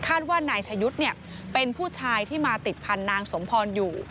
ว่านายชะยุทธ์เป็นผู้ชายที่มาติดพันธุ์นางสมพรอยู่